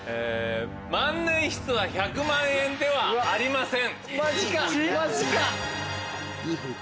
万年筆は１００万円ではありません。